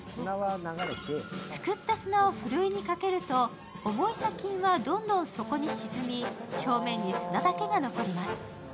すくった砂をふるいにかけると、重い砂金はどんどん底に沈み、表面に砂だけが残ります。